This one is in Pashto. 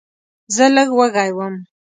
زه لږ وږی وم.